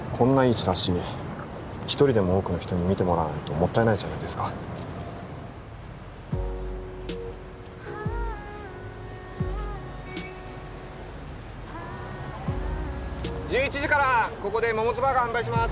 チラシ一人でも多くの人に見てもらわないともったいないじゃないですか１１時からここでモモズバーガー販売します